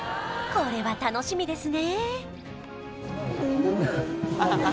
これは楽しみですね